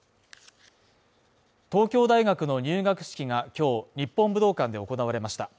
東京大学の入学式が今日日本武道館で行われました。